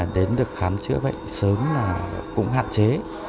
đến được khám chữa bệnh sớm là cũng hạn chế